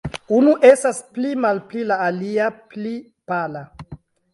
Unu estas pli malpala; la alia, pli pala.